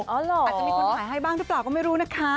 อาจจะมีคนถ่ายให้บ้างหรือเปล่าก็ไม่รู้นะคะ